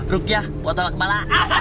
truknya buat ngekepala